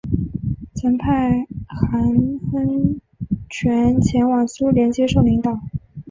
曾派韩亨权前往苏联接受领导。